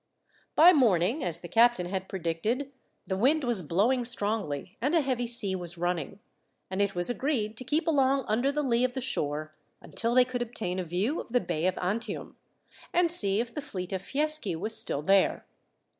By morning, as the captain had predicted, the wind was blowing strongly, and a heavy sea was running, and it was agreed to keep along under the lee of the shore until they could obtain a view of the Bay of Antium, and see if the fleet of Fieschi was still there.